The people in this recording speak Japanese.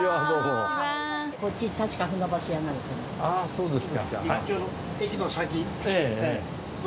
そうですか。